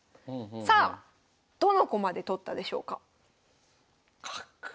さあどの駒で取ったでしょうか？